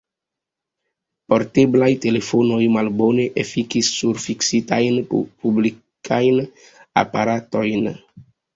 Porteblaj telefonoj malbone efikis sur fiksitajn, publikajn aparatojn.